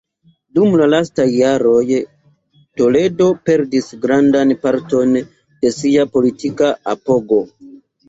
Dum la lastaj jaroj, Toledo perdis grandan parton de sia politika apogo.